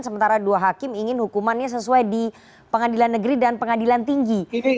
sementara dua hakim ingin hukumannya sesuai di pengadilan negeri dan pengadilan tinggi